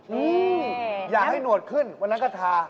อืมอยากให้หนวดขึ้นวันนั้นก็ทา